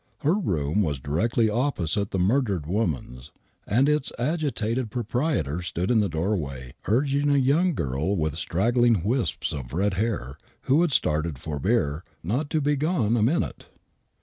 Her room was directly opposite the murdered woman's and its H\ agitated proprietor stood in the doorway urging a young girl with straggling wisps of red hair,, who had started for beer, not to be gone a minute.